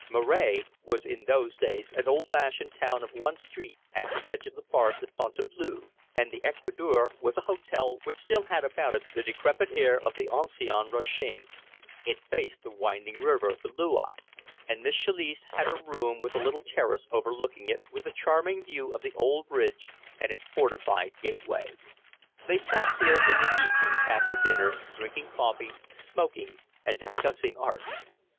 Moret was in those days an old fashioned town of one street at the edge of the forest of Fontainebleau, and the Ecu d'Or was a hotel which still had about it the decrepit air of the Ancien Regime. It faced the winding river, the Loing; and Miss Chalice had a room with a little terrace overlooking it, with a charming view of the old bridge and its fortified gateway. They sat here in the evenings after dinner, drinking coffee, smoking, and discussing art.